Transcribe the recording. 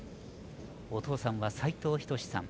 お父さんは斉藤仁さん。